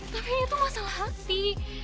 tapi itu masalah hati